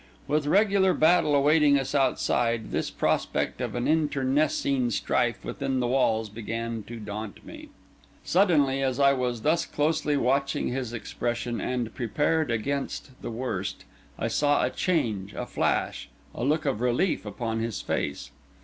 With regular battle awaiting us outside, this prospect of an internecine strife within the walls began to daunt me. Suddenly, as I was thus closely watching his expression and prepared against the worst, I saw a change, a flash, a look of relief, upon his face.